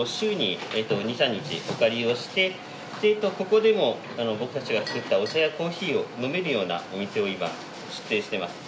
ここでも僕たちが作ったお茶やコーヒーを飲めるようなお店を今出店してます。